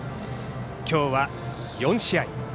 きょうは４試合。